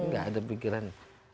gak ada pikiran